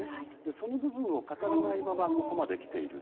その部分を語らないままここまで来ている。